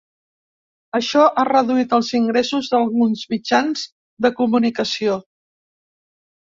Això ha reduït els ingressos d'alguns mitjans de comunicació.